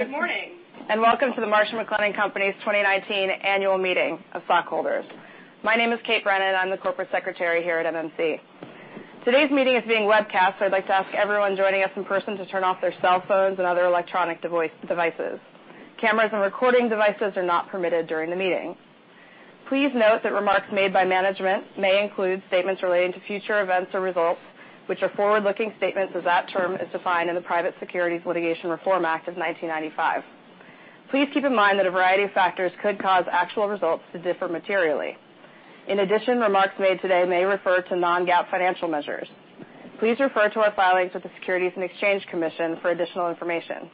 Good morning, welcome to Marsh & McLennan Companies' 2019 Annual Meeting of Stockholders. My name is Kate Brennan. I'm the corporate secretary here at MMC. Today's meeting is being webcast, I'd like to ask everyone joining us in person to turn off their cell phones and other electronic devices. Cameras and recording devices are not permitted during the meeting. Please note that remarks made by management may include statements relating to future events or results, which are forward-looking statements as that term is defined in the Private Securities Litigation Reform Act of 1995. Please keep in mind that a variety of factors could cause actual results to differ materially. In addition, remarks made today may refer to non-GAAP financial measures. Please refer to our filings with the Securities and Exchange Commission for additional information.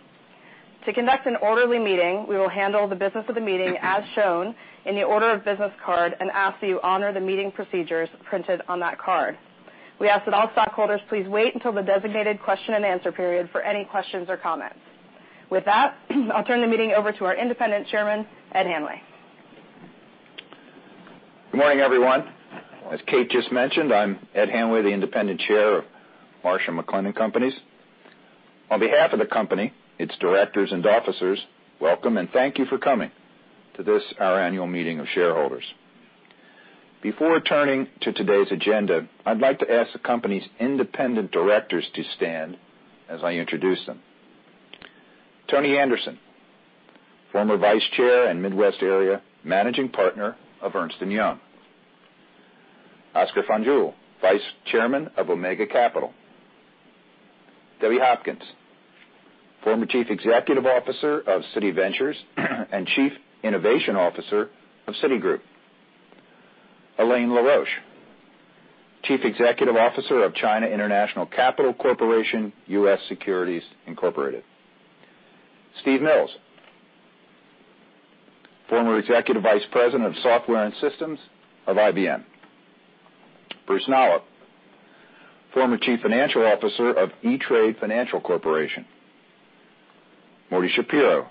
To conduct an orderly meeting, we will handle the business of the meeting as shown in the order of business card and ask that you honor the meeting procedures printed on that card. We ask that all stockholders please wait until the designated question and answer period for any questions or comments. With that, I'll turn the meeting over to our independent chairman, Ed Hanway. Good morning, everyone. As Kate just mentioned, I'm Ed Hanway, the independent chair of Marsh & McLennan Companies. On behalf of the company, its directors and officers, welcome and thank you for coming to this, our Annual Meeting of Shareholders. Before turning to today's agenda, I'd like to ask the company's independent directors to stand as I introduce them. Tony Anderson, former vice chair and Midwest area managing partner of Ernst & Young. Óscar Fanjul, vice chairman of Omega Capital. Debbie Hopkins, former chief executive officer of Citi Ventures and chief innovation officer of Citigroup. Elaine La Roche, chief executive officer of China International Capital Corporation, U.S. Securities, Inc. Steve Mills, former executive vice president of Software and Systems of IBM. Bruce Nolop, former chief financial officer of E-Trade Financial Corporation. Morton Schapiro,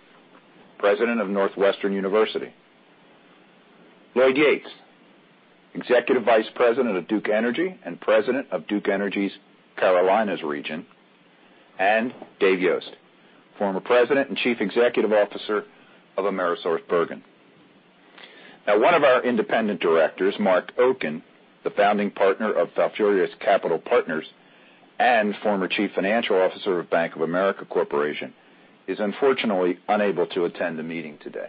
president of Northwestern University. Lloyd Yates, executive vice president of Duke Energy and president of Duke Energy's Carolinas region. Dave Yost, former president and chief executive officer of AmerisourceBergen. One of our independent directors, Marc Oken, the founding partner of Valoria Capital Partners and former chief financial officer of Bank of America Corporation, is unfortunately unable to attend the meeting today.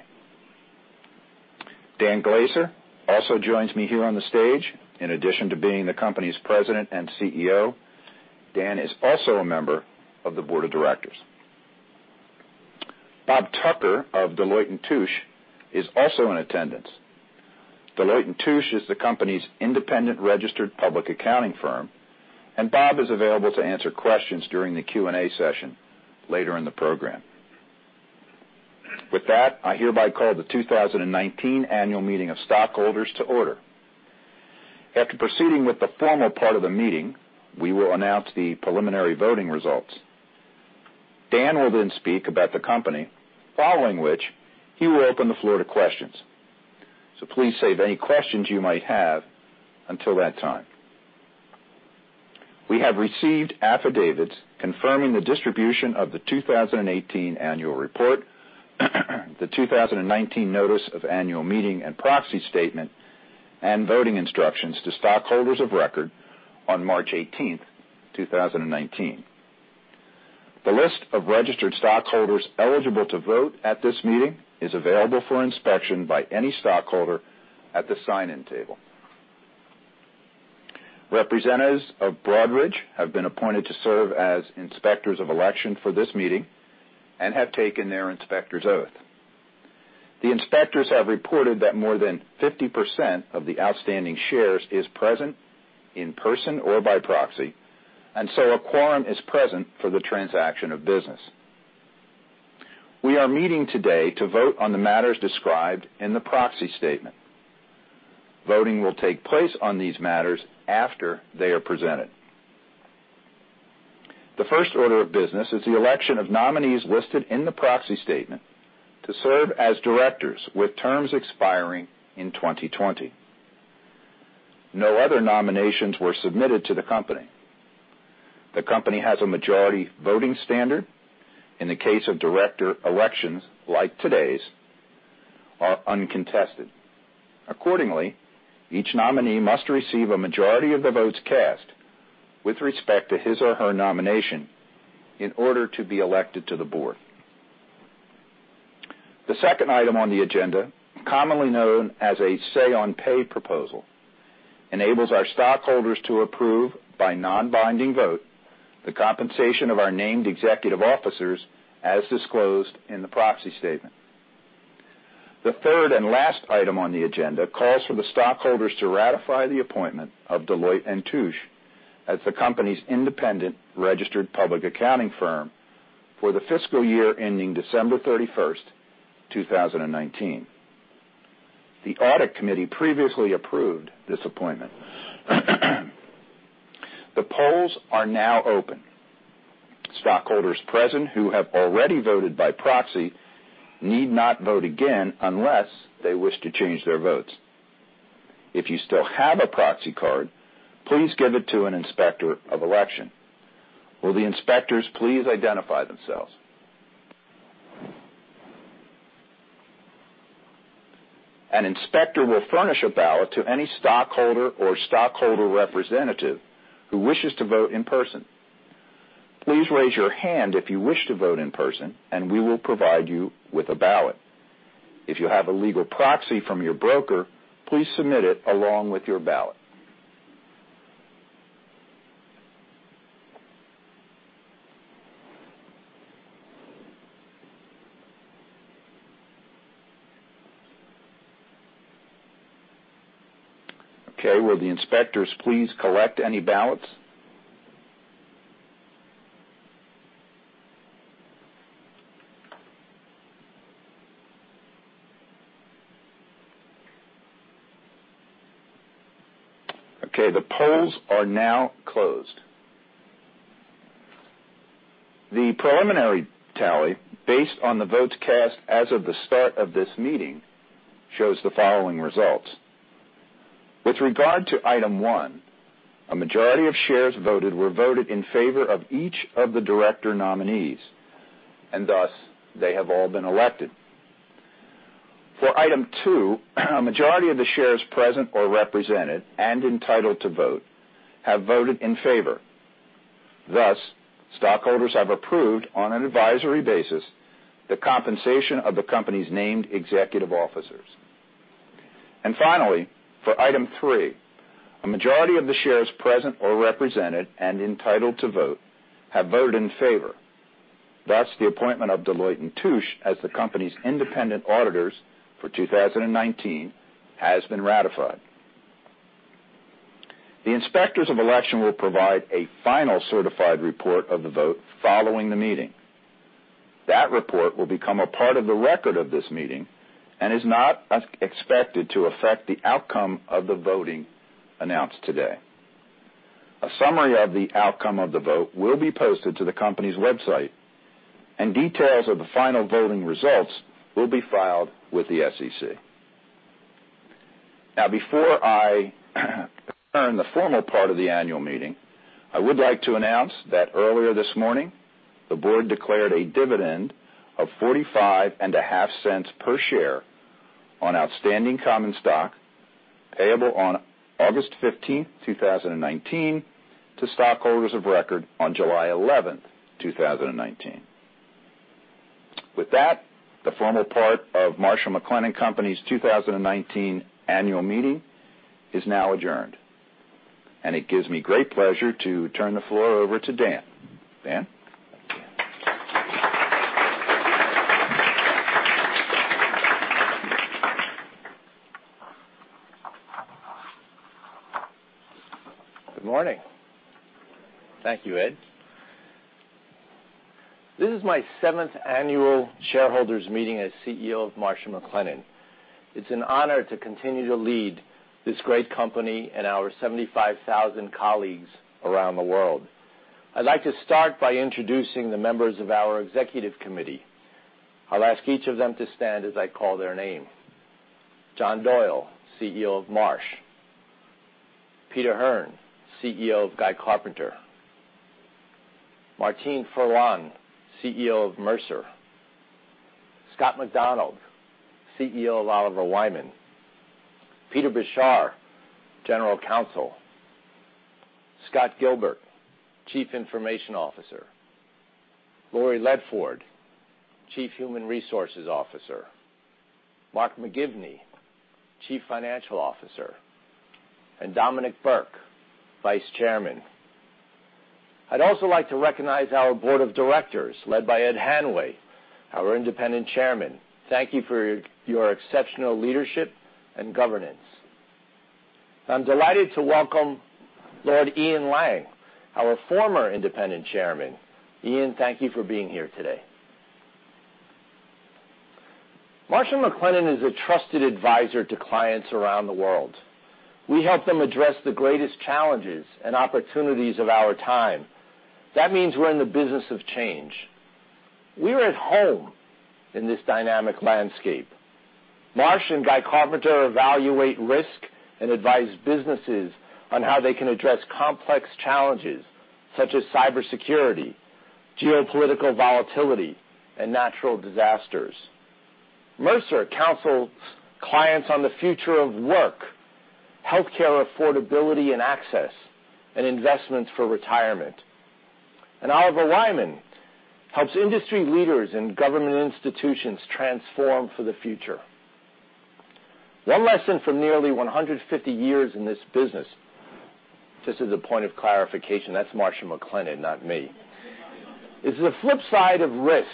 Dan Glaser also joins me here on the stage. In addition to being the company's president and CEO, Dan is also a member of the board of directors. Bob Tucker of Deloitte & Touche is also in attendance. Deloitte & Touche is the company's independent registered public accounting firm, and Bob is available to answer questions during the Q&A session later in the program. With that, I hereby call the 2019 Annual Meeting of Stockholders to order. After proceeding with the formal part of the meeting, we will announce the preliminary voting results. Dan will speak about the company, following which he will open the floor to questions. Please save any questions you might have until that time. We have received affidavits confirming the distribution of the 2018 annual report, the 2019 notice of annual meeting and proxy statement, and voting instructions to stockholders of record on March 18th, 2019. The list of registered stockholders eligible to vote at this meeting is available for inspection by any stockholder at the sign-in table. Representatives of Broadridge have been appointed to serve as inspectors of election for this meeting and have taken their inspector's oath. The inspectors have reported that more than 50% of the outstanding shares is present in person or by proxy, a quorum is present for the transaction of business. We are meeting today to vote on the matters described in the proxy statement. Voting will take place on these matters after they are presented. The first order of business is the election of nominees listed in the proxy statement to serve as directors with terms expiring in 2020. No other nominations were submitted to the company. The company has a majority voting standard. In the case of director elections like today's, are uncontested. Accordingly, each nominee must receive a majority of the votes cast with respect to his or her nomination in order to be elected to the board. The second item on the agenda, commonly known as a say-on-pay proposal, enables our stockholders to approve, by non-binding vote, the compensation of our named executive officers as disclosed in the proxy statement. The third and last item on the agenda calls for the stockholders to ratify the appointment of Deloitte & Touche as the company's independent registered public accounting firm for the fiscal year ending December 31st, 2019. The audit committee previously approved this appointment. The polls are now open. Stockholders present who have already voted by proxy need not vote again unless they wish to change their votes. If you still have a proxy card, please give it to an Inspector of Election. Will the inspectors please identify themselves? An inspector will furnish a ballot to any stockholder or stockholder representative who wishes to vote in person. Please raise your hand if you wish to vote in person, and we will provide you with a ballot. If you have a legal proxy from your broker, please submit it along with your ballot. Okay, will the inspectors please collect any ballots? Okay, the polls are now closed. The preliminary tally, based on the votes cast as of the start of this meeting, shows the following results. With regard to item one, a majority of shares voted were voted in favor of each of the director nominees, thus they have all been elected. For item two, a majority of the shares present or represented and entitled to vote have voted in favor. Thus, stockholders have approved, on an advisory basis, the compensation of the company's named executive officers. Finally, for item three, a majority of the shares present or represented and entitled to vote have voted in favor. Thus, the appointment of Deloitte & Touche as the company's independent auditors for 2019 has been ratified. The Inspectors of Election will provide a final certified report of the vote following the meeting. That report will become a part of the record of this meeting and is not expected to affect the outcome of the voting announced today. A summary of the outcome of the vote will be posted to the company's website, and details of the final voting results will be filed with the SEC. Before I adjourn the formal part of the annual meeting, I would like to announce that earlier this morning, the board declared a dividend of 45 and a half cents per share on outstanding common stock, payable on August 15, 2019, to stockholders of record on July 11, 2019. With that, the formal part of Marsh & McLennan Companies' 2019 annual meeting is now adjourned, and it gives me great pleasure to turn the floor over to Dan. Dan? Good morning. Thank you, Ed. This is my seventh annual shareholders meeting as CEO of Marsh & McLennan. It's an honor to continue to lead this great company and our 75,000 colleagues around the world. I'd like to start by introducing the members of our executive committee. I'll ask each of them to stand as I call their name. John Doyle, CEO of Marsh. Peter Hearn, CEO of Guy Carpenter. Martine Ferland, CEO of Mercer. Scott McDonald, CEO of Oliver Wyman. Peter Beshar, General Counsel. Scott Gilbert, Chief Information Officer. Laurie Ledford, Chief Human Resources Officer. Mark McGivney, Chief Financial Officer, and Dominic Burke, Vice Chairman. I'd also like to recognize our board of directors, led by Ed Hanway, our independent chairman. Thank you for your exceptional leadership and governance. I'm delighted to welcome Lord Ian Lang, our former independent chairman. Ian, thank you for being here today. Marsh & McLennan is a trusted advisor to clients around the world. We help them address the greatest challenges and opportunities of our time. That means we're in the business of change. We're at home in this dynamic landscape. Marsh and Guy Carpenter evaluate risk and advise businesses on how they can address complex challenges such as cybersecurity, geopolitical volatility, and natural disasters. Mercer counsels clients on the future of work, healthcare affordability and access, and investments for retirement. Oliver Wyman helps industry leaders and government institutions transform for the future. One lesson from nearly 150 years in this business, just as a point of clarification, that's Marsh & McLennan, not me is the flip side of risk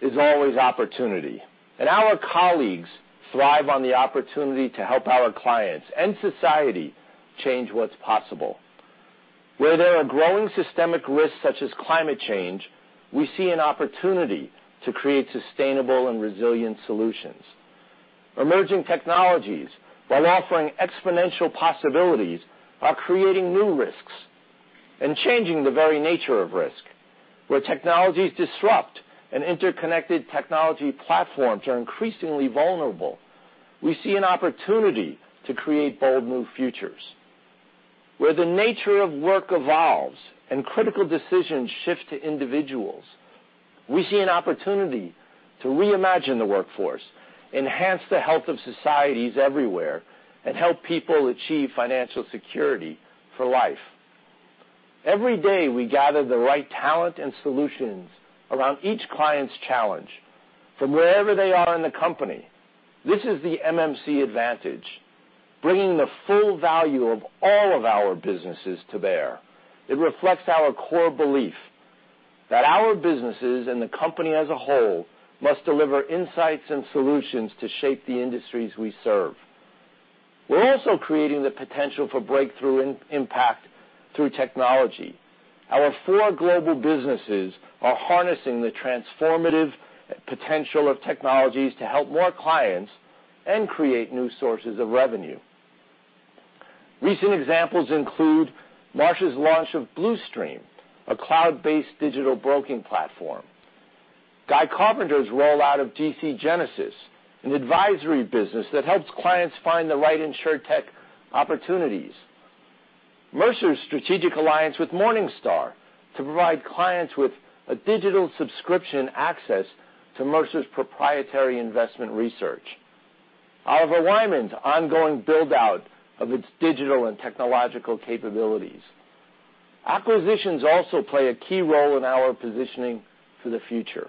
is always opportunity. Our colleagues thrive on the opportunity to help our clients and society change what's possible. Where there are growing systemic risks such as climate change, we see an opportunity to create sustainable and resilient solutions. Emerging technologies, while offering exponential possibilities, are creating new risks. Changing the very nature of risk, where technologies disrupt and interconnected technology platforms are increasingly vulnerable. We see an opportunity to create bold new futures. Where the nature of work evolves and critical decisions shift to individuals, we see an opportunity to reimagine the workforce, enhance the health of societies everywhere, and help people achieve financial security for life. Every day, we gather the right talent and solutions around each client's challenge from wherever they are in the company. This is the MMC advantage, bringing the full value of all of our businesses to bear. It reflects our core belief that our businesses and the company as a whole must deliver insights and solutions to shape the industries we serve. We're also creating the potential for breakthrough impact through technology. Our four global businesses are harnessing the transformative potential of technologies to help more clients and create new sources of revenue. Recent examples include Marsh's launch of Blue Stream, a cloud-based digital broking platform. Guy Carpenter's rollout of GC Genesis, an advisory business that helps clients find the right insurtech opportunities. Mercer's strategic alliance with Morningstar to provide clients with a digital subscription access to Mercer's proprietary investment research. Our [alignment], ongoing build-out of its digital and technological capabilities. Acquisitions also play a key role in our positioning for the future,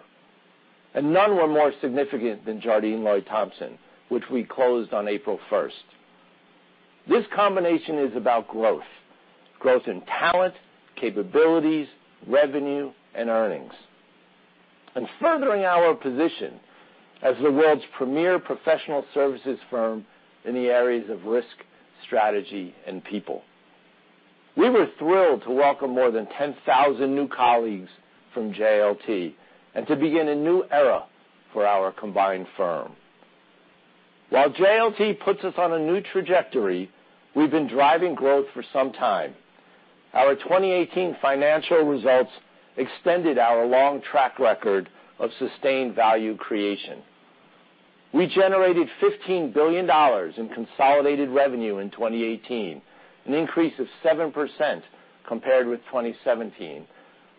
and none were more significant than Jardine Lloyd Thompson, which we closed on April 1st. This combination is about growth in talent, capabilities, revenue, and earnings, furthering our position as the world's premier professional services firm in the areas of risk, strategy, and people. We were thrilled to welcome more than 10,000 new colleagues from JLT and to begin a new era for our combined firm. While JLT puts us on a new trajectory, we've been driving growth for some time. Our 2018 financial results extended our long track record of sustained value creation. We generated $15 billion in consolidated revenue in 2018, an increase of 7% compared with 2017,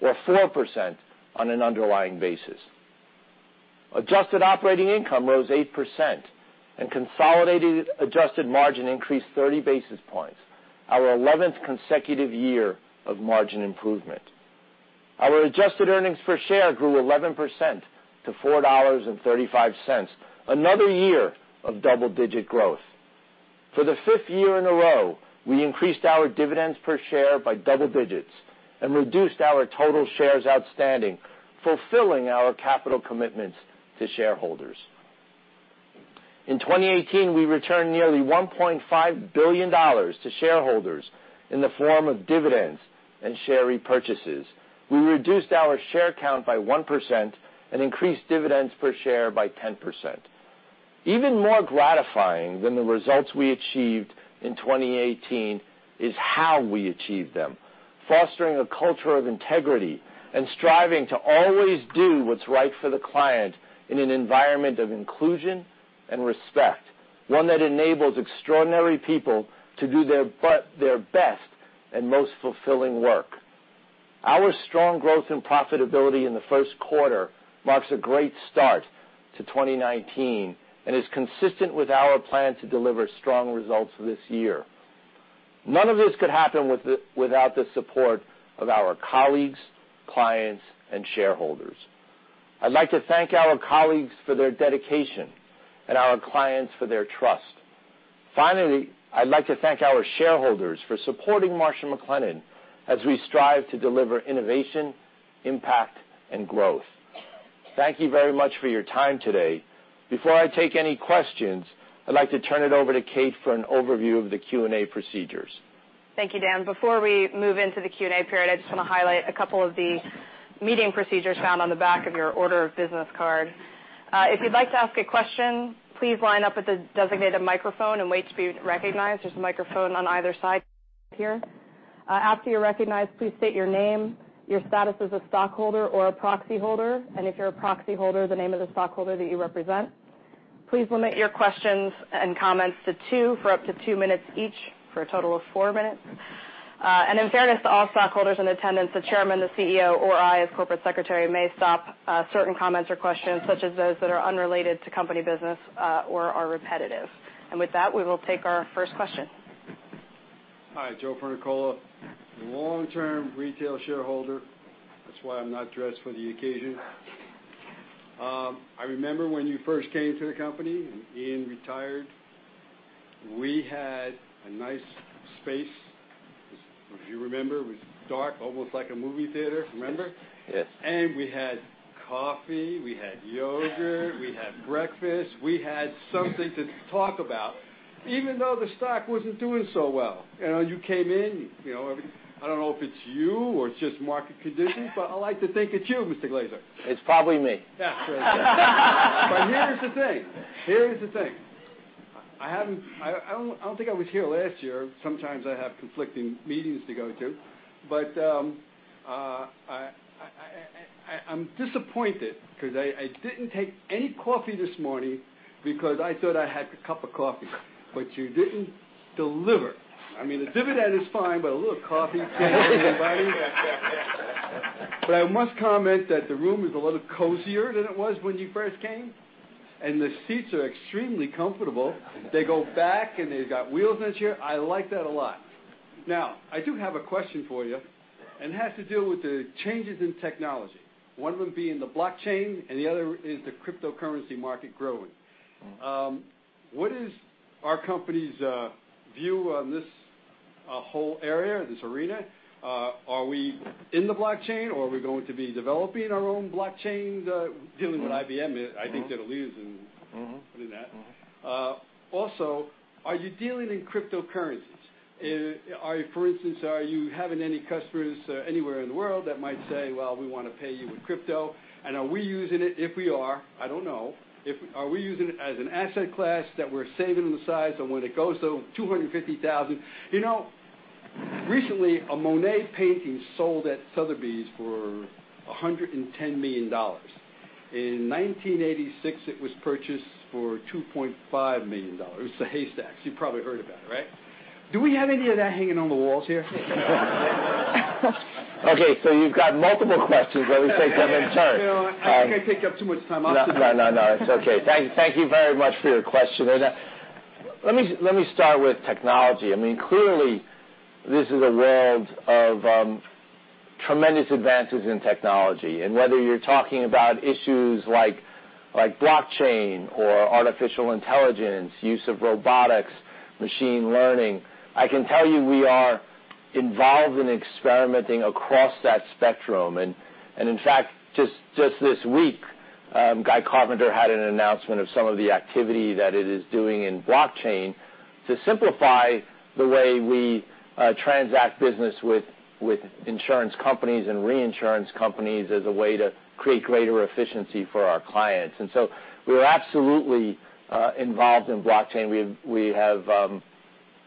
or 4% on an underlying basis. Adjusted operating income rose 8%, consolidated adjusted margin increased 30 basis points, our 11th consecutive year of margin improvement. Our adjusted earnings per share grew 11% to $4.35, another year of double-digit growth. For the fifth year in a row, we increased our dividends per share by double digits, reduced our total shares outstanding, fulfilling our capital commitments to shareholders. In 2018, we returned nearly $1.5 billion to shareholders in the form of dividends and share repurchases. We reduced our share count by 1%, increased dividends per share by 10%. Even more gratifying than the results we achieved in 2018 is how we achieved them. Fostering a culture of integrity and striving to always do what's right for the client in an environment of inclusion and respect, one that enables extraordinary people to do their best and most fulfilling work. Our strong growth and profitability in the first quarter marks a great start to 2019, is consistent with our plan to deliver strong results this year. None of this could happen without the support of our colleagues, clients, and shareholders. I'd like to thank our colleagues for their dedication, our clients for their trust. Finally, I'd like to thank our shareholders for supporting Marsh & McLennan as we strive to deliver innovation, impact, and growth. Thank you very much for your time today. Before I take any questions, I'd like to turn it over to Kate for an overview of the Q&A procedures. Thank you, Dan. Before we move into the Q&A period, I just want to highlight a couple of the meeting procedures found on the back of your order of business card. If you'd like to ask a question, please line up at the designated microphone and wait to be recognized. There's a microphone on either side here. After you're recognized, please state your name, your status as a stockholder or a proxy holder, and if you're a proxy holder, the name of the stockholder that you represent. Please limit your questions and comments to two for up to two minutes each for a total of four minutes. In fairness to all stockholders in attendance, the Chairman, the CEO, or I as Corporate Secretary, may stop certain comments or questions such as those that are unrelated to company business, or are repetitive. With that, we will take our first question. Hi, Joe Fernicola, long-term retail shareholder. That's why I'm not dressed for the occasion. I remember when you first came to the company and Ian retired. We had a nice space. If you remember, it was dark, almost like a movie theater. Remember? Yes. We had coffee, we had yogurt, we had breakfast, we had something to talk about, even though the stock wasn't doing so well. You came in. I don't know if it's you or it's just market conditions, but I like to think it's you, Mr. Glaser. It's probably me. Yeah. Here's the thing. I don't think I was here last year. Sometimes I have conflicting meetings to go to, I'm disappointed because I didn't take any coffee this morning because I thought I had a cup of coffee, you didn't deliver. I mean, the dividend is fine. A little coffee, too, everybody. I must comment that the room is a lot cozier than it was when you first came, and the seats are extremely comfortable. They go back, and they've got wheels on this chair. I like that a lot. Now, I do have a question for you, and it has to do with the changes in technology. One of them being the blockchain. The other is the cryptocurrency market growing. What is our company's view on this whole area, this arena? Are we in the blockchain, are we going to be developing our own blockchain, dealing with IBM? I think that'll lead us in. Are you dealing in cryptocurrencies? For instance, are you having any customers anywhere in the world that might say, "Well, we want to pay you in crypto." Are we using it if we are? I don't know. Are we using it as an asset class that we're saving on the side, so when it goes to $250,000. Recently, a Monet painting sold at Sotheby's for $110 million. In 1986, it was purchased for $2.5 million. It's the Haystacks. You probably heard about it, right? Do we have any of that hanging on the walls here? You've got multiple questions. Let me take them in turn. I didn't want to take up too much time, obviously. It's okay. Thank you very much for your question. Let me start with technology. Clearly, this is a world of tremendous advances in technology, and whether you're talking about issues like blockchain or artificial intelligence, use of robotics, machine learning, I can tell you we are involved in experimenting across that spectrum. In fact, just this week, Guy Carpenter had an announcement of some of the activity that it is doing in blockchain to simplify the way we transact business with insurance companies and reinsurance companies as a way to create greater efficiency for our clients. We're absolutely involved in blockchain. We have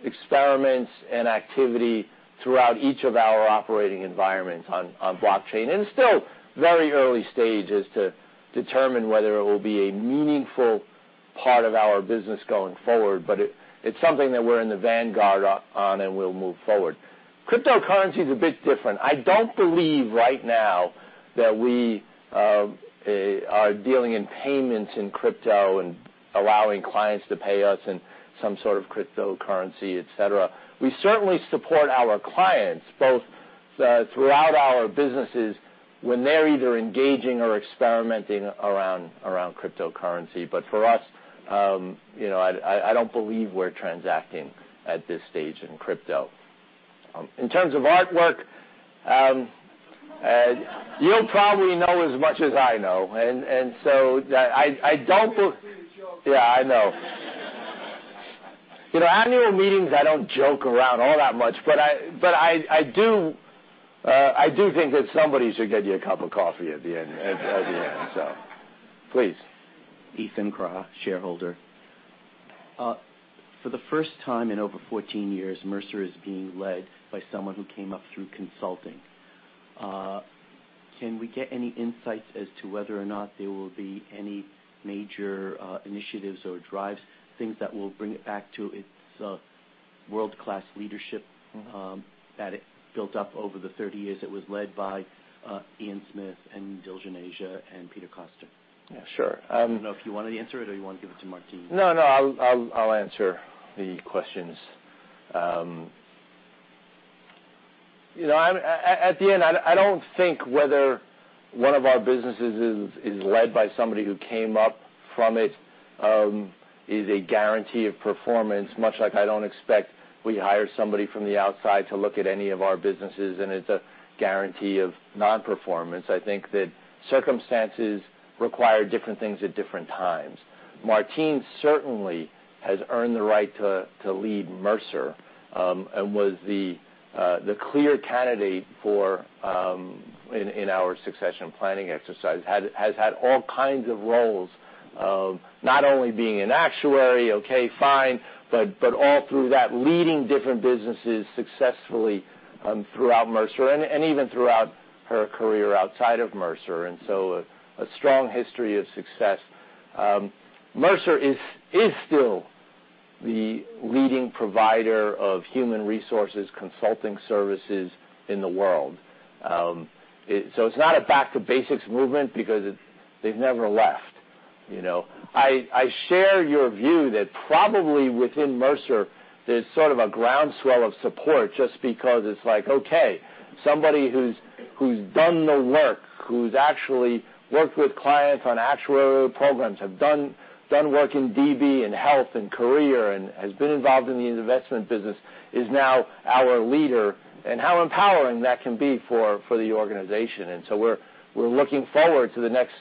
experiments and activity throughout each of our operating environments on blockchain. It's still very early stages to determine whether it will be a meaningful part of our business going forward. It's something that we're in the vanguard on, and we'll move forward. Cryptocurrency is a bit different. I don't believe right now that we are dealing in payments in crypto and allowing clients to pay us in some sort of cryptocurrency, et cetera. We certainly support our clients, both throughout our businesses when they're either engaging or experimenting around cryptocurrency. For us, I don't believe we're transacting at this stage in crypto. In terms of artwork- you'll probably know as much as I know, so I don't- You don't do the joke. Yeah, I know. Annual meetings, I don't joke around all that much, but I do think that somebody should get you a cup of coffee at the end. Please. Ethan Craw, shareholder. For the first time in over 14 years, Mercer is being led by someone who came up through consulting. Can we get any insights as to whether or not there will be any major initiatives or drives, things that will bring it back to its world-class leadership- that it built up over the 30 years it was led by Ian Smith and Diljan Asia and Peter Coster? Yeah, sure. I don't know if you want to answer it or you want to give it to Martine. I'll answer the questions. At the end, I don't think whether one of our businesses is led by somebody who came up from it is a guarantee of performance, much like I don't expect we hire somebody from the outside to look at any of our businesses, and it's a guarantee of non-performance. I think that circumstances require different things at different times. Martine certainly has earned the right to lead Mercer, was the clear candidate in our succession planning exercise. Has had all kinds of roles, of not only being an actuary, okay, fine, but all through that, leading different businesses successfully throughout Mercer and even throughout her career outside of Mercer. A strong history of success. Mercer is still the leading provider of human resources consulting services in the world. It's not a back-to-basics movement because they've never left. I share your view that probably within Mercer, there's sort of a groundswell of support just because it's like, okay, somebody who's done the work, who's actually worked with clients on actuary programs, have done work in DB, in health, in career, and has been involved in the investment business, is now our leader, and how empowering that can be for the organization. We're looking forward to the next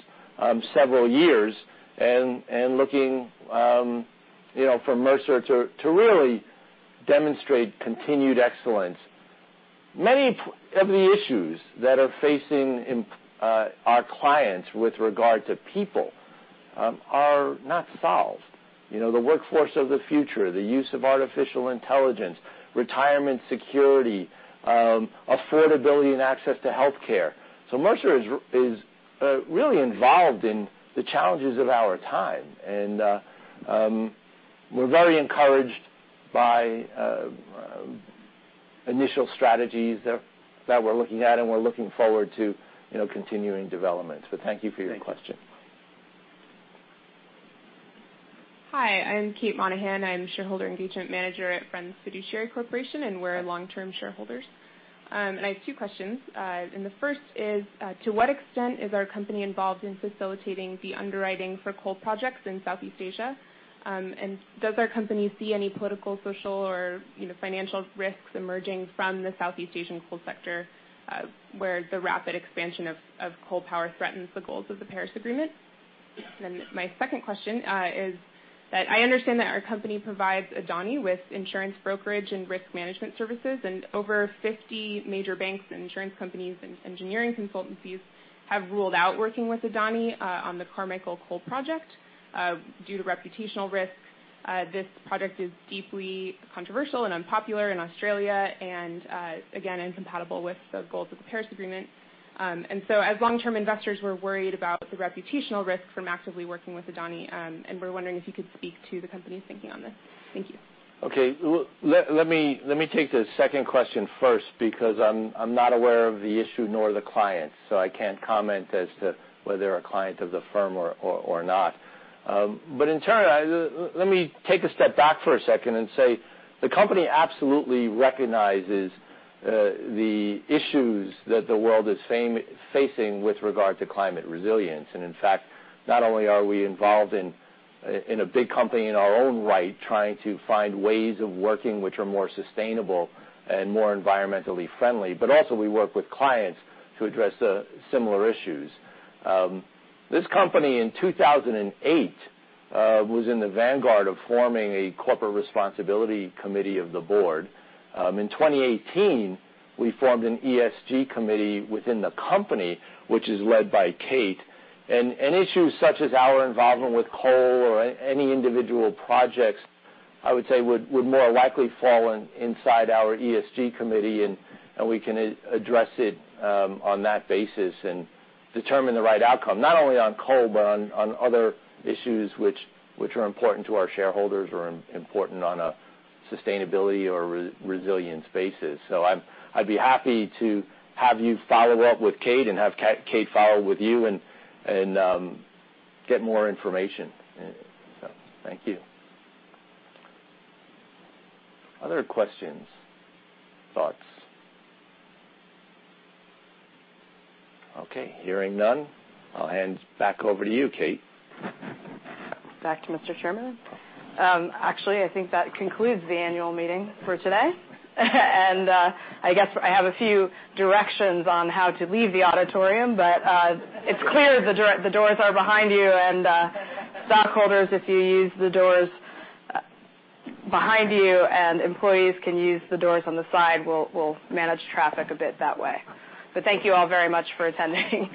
several years and looking for Mercer to really demonstrate continued excellence. Many of the issues that are facing our clients with regard to people are not solved. The workforce of the future, the use of artificial intelligence, retirement security, affordability and access to healthcare. Mercer is really involved in the challenges of our time, and we're very encouraged by initial strategies that we're looking at, and we're looking forward to continuing developments. Thank you for your question. Thank you. Hi, I'm Kate Monahan. I'm Shareholder Engagement Manager at Friends Fiduciary Corporation, we're long-term shareholders. I have two questions. The first is, to what extent is our company involved in facilitating the underwriting for coal projects in Southeast Asia? Does our company see any political, social, or financial risks emerging from the Southeast Asian coal sector, where the rapid expansion of coal power threatens the goals of the Paris Agreement? My second question is that I understand that our company provides Adani with insurance brokerage and risk management services, and over 50 major banks and insurance companies and engineering consultancies have ruled out working with Adani on the Carmichael coal project due to reputational risks. This project is deeply controversial and unpopular in Australia and, again, incompatible with the goals of the Paris Agreement. As long-term investors, we're worried about the reputational risk from actively working with Adani, and we're wondering if you could speak to the company's thinking on this. Thank you. Okay. Let me take the second question first because I'm not aware of the issue nor the client, so I can't comment as to whether a client of the firm or not. In turn, let me take a step back for a second and say the company absolutely recognizes the issues that the world is facing with regard to climate resilience. In fact, not only are we involved in a big company in our own right, trying to find ways of working which are more sustainable and more environmentally friendly, but also we work with clients to address similar issues. This company, in 2008, was in the vanguard of forming a corporate responsibility committee of the board. In 2018, we formed an ESG committee within the company, which is led by Kate. Issues such as our involvement with coal or any individual projects, I would say, would more likely fall inside our ESG committee, and we can address it on that basis and determine the right outcome, not only on coal, but on other issues which are important to our shareholders or important on a sustainability or resilience basis. I'd be happy to have you follow up with Kate and have Kate follow with you and get more information. Thank you. Other questions, thoughts? Okay, hearing none, I'll hand back over to you, Kate. Back to Mr. Chairman. Actually, I think that concludes the annual meeting for today. I guess I have a few directions on how to leave the auditorium, but it's clear the doors are behind you and, stockholders, if you use the doors behind you and employees can use the doors on the side, we'll manage traffic a bit that way. Thank you all very much for attending.